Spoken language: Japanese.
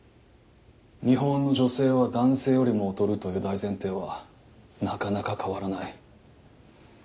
日本の女性は男性よりも劣るという大前提はなかなか変わらない。